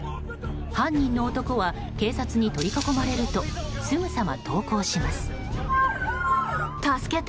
犯人の男は警察に取り囲まれるとすぐさま投降します。